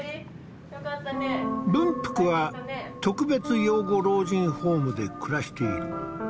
文福は特別養護老人ホームで暮らしている。